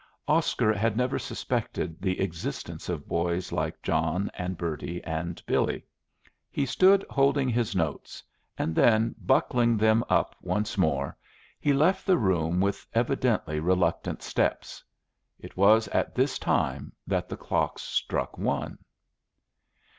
Oscar had never suspected the existence of boys like John and Bertie and Billy. He stood holding his notes, and then, buckling them up once more, he left the room with evidently reluctant steps. It was at this time that the clocks struck one.